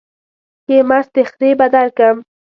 ښې مستې خرې به درکم.